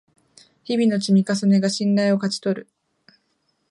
日々の積み重ねが信頼を勝ち取る